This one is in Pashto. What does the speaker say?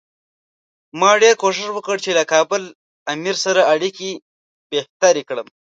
ما ډېر کوښښ وکړ چې له کابل امیر سره اړیکې بهترې کړم.